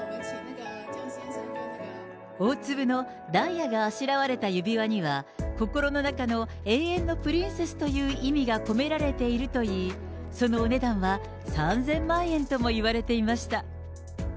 大粒のダイヤがあしらわれた指輪には、心の中の永遠のプリンセスという意味が込められているといい、そのお値段は３０００万円ともいわれていました。